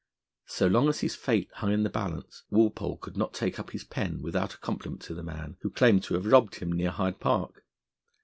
So long as his fate hung in the balance, Walpole could not take up his pen without a compliment to the man, who claimed to have robbed him near Hyde Park.